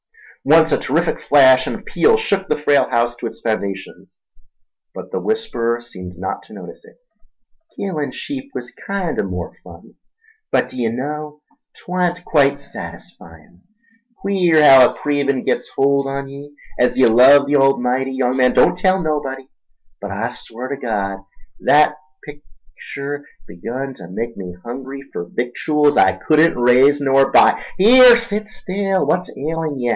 Once a terrific flash and peal shook the frail house to its foundations, but the whisperer seemed not to notice it. "Killin' sheep was kinder more fun—but d'ye know, 'twan't quite satisfyin'. Queer haow a cravin' gits a holt on ye— As ye love the Almighty, young man, don't tell nobody, but I swar ter Gawd thet picter begun ta make me hungry fer victuals I couldn't raise nor buy—here, set still, what's ailin' ye?